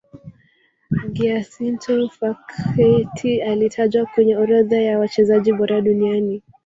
giacinto facchetti alitajwa kwenye orodha ya wachezaji bora duniani